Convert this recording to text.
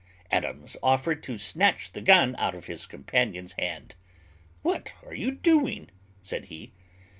Adams offered to snatch the gun out of his companion's hand. "What are you doing?" said he.